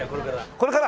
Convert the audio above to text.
これから！